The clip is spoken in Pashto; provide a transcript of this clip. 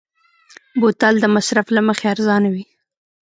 بوتل د مصرف له مخې ارزانه وي.